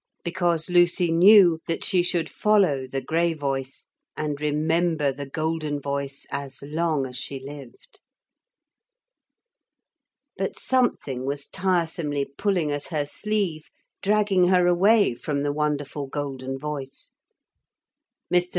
Because Lucy knew that she should follow the grey voice, and remember the golden voice as long as she lived. But something was tiresomely pulling at her sleeve, dragging her away from the wonderful golden voice. Mr.